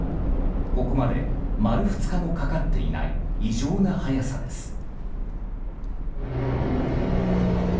ここまで丸２日もかかっていない異常な早さです。